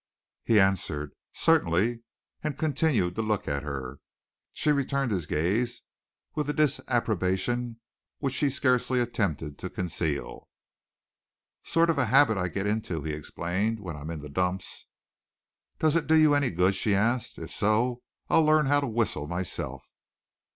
He answered "Certainly!" and continued to look at her. She returned his gaze with a disapprobation which she scarcely attempted to conceal. "Sort of habit I get into," he explained, "when I'm in the dumps." "Does it do you any good?" she asked. "If so, I'll learn how to whistle myself."